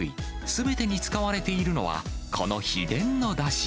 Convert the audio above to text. すべてに使われているのは、この秘伝のだし。